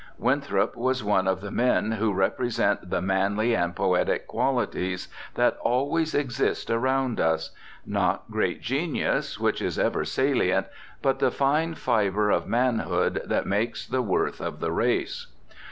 Winthrop was one of the men who represent the manly and poetic qualities that always exist around us, not great genius, which is ever salient, but the fine fibre of manhood that makes the worth of the race.